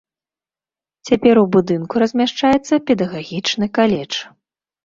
Цяпер у будынку размяшчаецца педагагічны каледж.